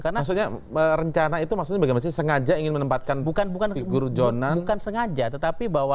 maksudnya rencana itu maksudnya bagaimana